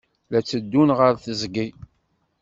La tteddun ɣer teẓgi.